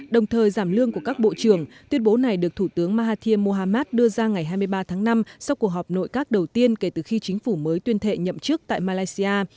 đồng thời giảm lương của các bộ trưởng tuyên bố này được thủ tướng mahathir mohamad đưa ra ngày hai mươi ba tháng năm sau cuộc họp nội các đầu tiên kể từ khi chính phủ mới tuyên thệ nhậm chức tại malaysia